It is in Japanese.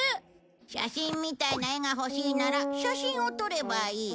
写真みたいな絵が欲しいなら写真を撮ればいい。